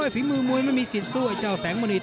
ฝีมือมวยไม่มีสิทธิ์สู้ไอ้เจ้าแสงมณี